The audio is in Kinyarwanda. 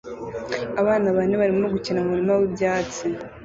Abana bane barimo gukina mu murima w'ibyatsi